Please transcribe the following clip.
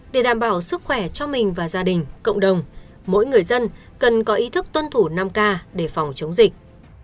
để đảm bảo sức khỏe cho mình và gia đình cộng đồng mỗi người dân cần có ý thức tuân thủ năm k để phòng chống dịch